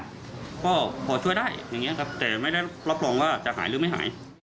ก็พอช่วยได้อย่างนี้ครับแต่ไม่ได้รับรองว่าจะหายหรือไม่หาย